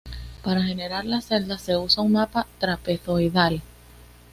Para generar las celdas se usa un mapa trapezoidal.